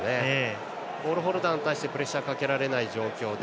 ボールホルダーに対しプレッシャーかけられない状況で。